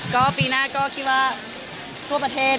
ก็ปีหน้าก็คิดว่าทั่วประเทศ